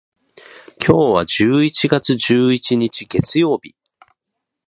今日は十一月十一日、月曜日。